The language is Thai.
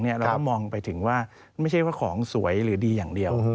เราก็มองไปถึงว่าไม่ใช่ว่าของสวยหรือดีอย่างเดียว